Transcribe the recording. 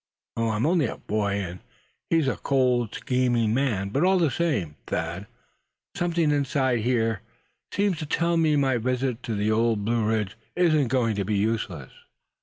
I'm only a boy, and he's a cold scheming man; but all the same, Thad, something inside here seems to tell me my visit to the Old Blue Ridge isn't going to be useless."